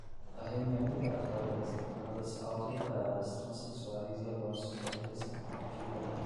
A reunião preparatória das deputadas autodeclaradas transexuais e avanços da representatividade